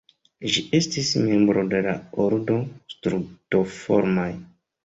Ĝi estis membro de la ordo Strutoformaj.